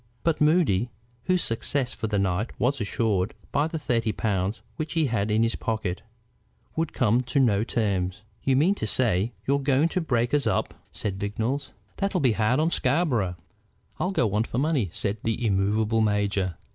But Moody, whose success for the night was assured by the thirty pounds which he had in his pocket, would come to no terms. "You mean to say you're going to break us up," said Vignolles. "That'll be hard on Scarborough." "I'll go on for money," said the immovable major.